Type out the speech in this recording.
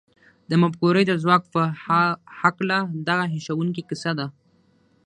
د مفکورې د ځواک په هکله دغه هیښوونکې کیسه ده